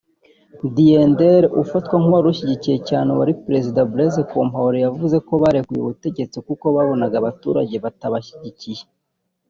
Diendéré ufatwa nk’uwari ushyigikiye cyane uwari Perezida Blaise Compaore yavuze ko barekuye ubutegetsi kuko babonaga abaturage batabashyigikiye